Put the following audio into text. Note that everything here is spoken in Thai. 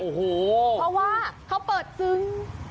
โอ้โหเพราะว่าเขาเปิดซึ้ง